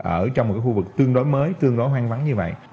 ở trong một khu vực tương đối mới tương đối hoang vắng như vậy